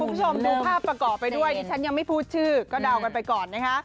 คุณผู้ชมดูภาพประกอบไปด้วยดิฉันยังไม่พูดชื่อก็เดากันไปก่อนนะคะ